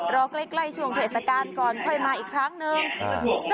รอใกล้ช่วงเทศกาลก่อนค่อยมาอีกครั้งหนึ่ง